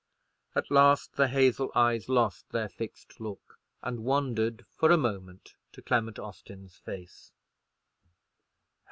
At last the hazel eyes lost their fixed look, and wandered for a moment to Clement Austin's face.